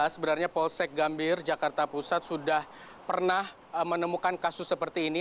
sebenarnya polsek gambir jakarta pusat sudah pernah menemukan kasus seperti ini